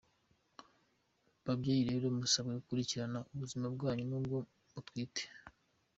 Babyeyi rero musabwe gukurikirana ubuzima bwanyu n’ubw’uwo mutwite.